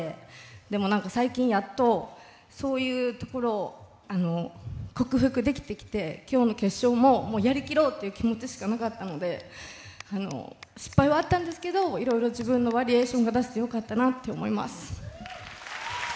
でも何か最近やっとそういうところを克服できてきて今日の決勝もやりきろうっていう気持ちしかなかったので失敗はあったんですけどいろいろ自分のバリエーションが出せてよかったなって思います。